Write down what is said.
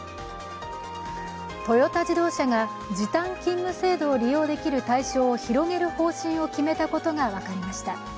トヨタ自動車が時短勤務制度を利用できる対象を広げる方針を決めたことが分かりました。